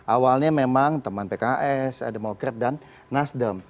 awalnya memang teman pks demokrat dan nasdem